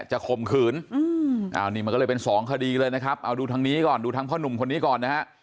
ข่มขืนนี่มันก็เลยเป็นสองคดีเลยนะครับเอาดูทางนี้ก่อนดูทางพ่อหนุ่มคนนี้ก่อนนะฮะ